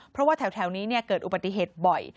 เพราะว่าแถวนี้เกิดอุบัติเหตุบ่อย